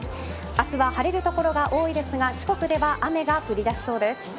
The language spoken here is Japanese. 明日は晴れる所が多いですが四国では雨が降り出しそうです。